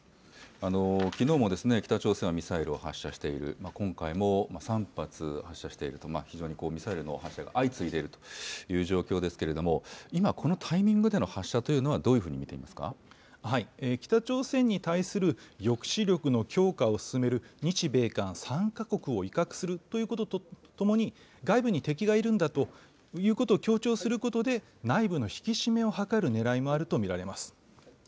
きのうも北朝鮮はミサイルを発射している、今回も３発発射していると、非常にミサイルの発射が相次いでいるという状況ですけれども、今、このタイミングでの発射というのは、どういうふうに北朝鮮に対する抑止力の強化を進める日米韓３か国を威嚇するということとともに、外部に敵がいるんだということを強調することで、内部の引き締めを図るねらいもあると見られます。